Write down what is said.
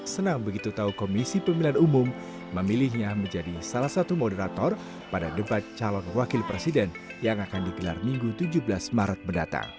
senang begitu tahu komisi pemilihan umum memilihnya menjadi salah satu moderator pada debat calon wakil presiden yang akan digelar minggu tujuh belas maret mendatang